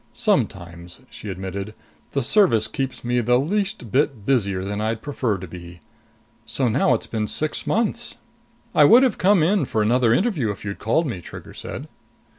"Sometimes," she admitted, "the Service keeps me the least bit busier than I'd prefer to be. So now it's been six months!" "I would have come in for another interview if you'd called me," Trigger said.